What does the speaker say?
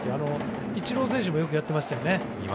イチロー選手もよくやってましたね。